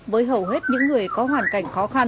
với hầu hết những người có hoàn cảnh khó khăn